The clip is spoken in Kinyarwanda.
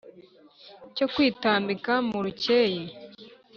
cyo kwitambika mu rukeye,